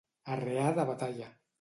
Arrear de batalla.